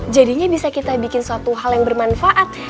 jadinya bisa kita bikin suatu hal yang bermanfaat